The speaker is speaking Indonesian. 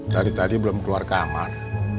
dari tadi belum keluar kamar